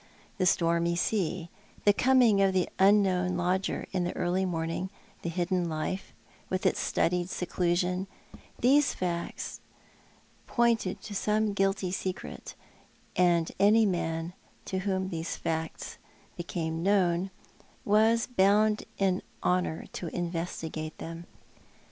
The stormy sea, the coming of the unknown lodger in the early morning, the hidden life, with its studied seclusion, these facts pointed to some guilty secret, and any man to whom these facts became known was bound in honour to investigate them.